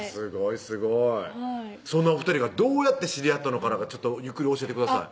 すごいすごいはいそんなお２人がどうやって知り合ったのかゆっくり教えてください